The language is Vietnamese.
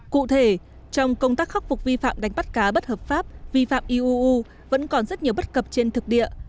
cụ thể trong công tác khắc phục vi phạm đánh bắt cá bất hợp pháp vi phạm iuu vẫn còn rất nhiều bất cập trên thực địa